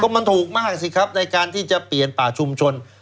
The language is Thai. มันถูกมากสิครับในการที่จะเปลี่ยนป่าชุมชน